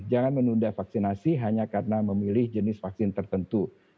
jangan menunda vaksinasi hanya karena memilih jenis vaksin tertentu